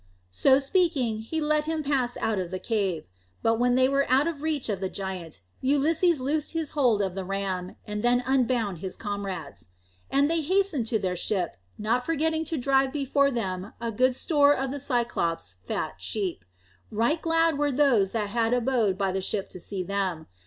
So speaking, he let him pass out of the cave. But when they were out of reach of the giant, Ulysses loosed his hold of the ram, and then unbound his comrades. And they hastened to their ship, not forgetting to drive before them a good store of the Cyclops' fat sheep. Right glad were those that had abode by the ship to see them.